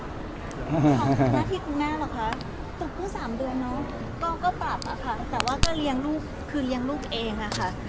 หน้าที่คุณแม่เหรอคะตกเพิ่ง๓เดือนเนอะก็ปรับอะค่ะแต่ว่าก็เลี้ยงลูกคือเลี้ยงลูกเองอะค่ะ